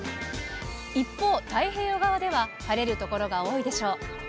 一方、太平洋側では晴れる所が多いでしょう。